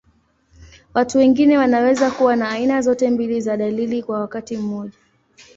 Watu wengine wanaweza kuwa na aina zote mbili za dalili kwa wakati mmoja.